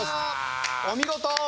お見事！